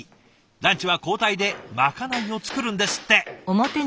ランチは交代でまかないを作るんですって。